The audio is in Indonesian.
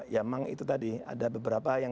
ya memang itu tadi ada beberapa yang